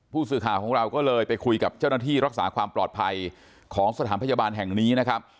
ผู้สื่อข่าวของเราก็เลยไปคุยกับเจ้าหน้าที่รักษาความปลอดภัยของสถานพยาบาลแห่งนี้นะครับ